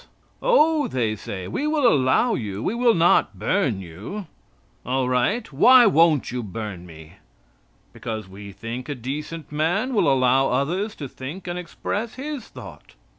"Oh," they say, "we will allow you, we will not burn you." "All right; why won't you burn me?" "Because we think a decent man will allow others to think and express his thought."